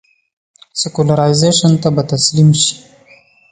سیکولرایزېشن ته به تسلیم شي.